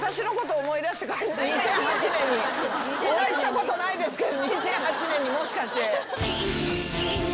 お会いしたことないですけど２００８年にもしかして。